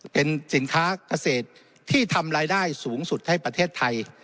เป็นสินค้าเกษตรที่ทำรายได้สูงสุดให้ประเทศไทย